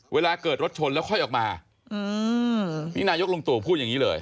เวลาเกิดรถชนแล้วค่อยออกมานี่นายกลุงตู่พูดอย่างนี้เลย